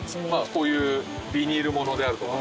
こういうビニールものであるとか。